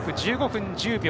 １５分１０秒。